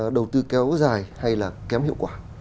đầu tư kéo dài hay là kém hiệu quả